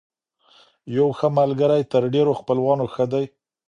يو ښه ملګری تر ډېرو خپلوانو ښه دی.